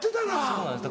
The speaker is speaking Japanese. そうなんです